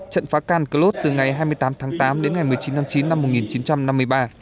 trận phá can cơ lốt từ ngày hai mươi tám tháng tám đến ngày một mươi chín tháng chín năm một nghìn chín trăm năm mươi ba